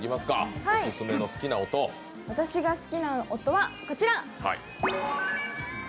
私が好きな音は、こちら！